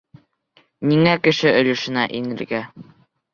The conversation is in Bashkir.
Ниңә кеше өлөшөнә инергә?